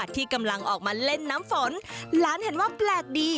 ที่กำลังออกมาเล่นน้ำฝนหลานเห็นว่าแปลกดี